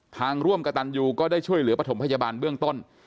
ร่วมกับตันยูก็ได้ช่วยเหลือปฐมพยาบาลเบื้องต้น